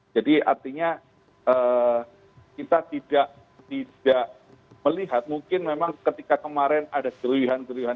jadi artinya kita tidak melihat mungkin memang ketika kemarin ada keruihan keruihan